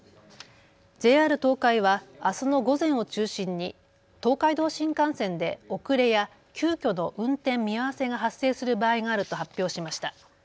ＪＲ東海はあすの午前を中心に東海道新幹線で遅れや急きょの運転見合わせが発生する場合があると発表しました。